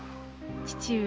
父上。